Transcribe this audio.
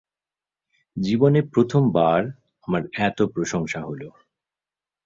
জীবনে প্রথমবার আমার এত প্রশংসা হলো।